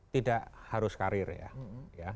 tidak harus karir ya